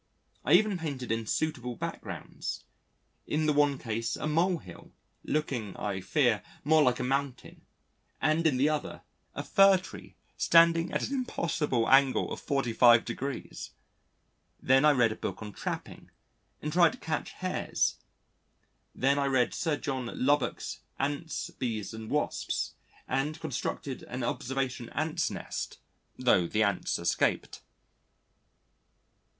I even painted in suitable backgrounds, in the one case a mole hill, looking, I fear, more like a mountain, and in the other, a Fir tree standing at an impossible angle of 45°. Then I read a book on trapping, and tried to catch Hares. Then I read Sir John Lubbock's Ants, Bees and Wasps, and constructed an observation Ants' nest (though the Ants escaped).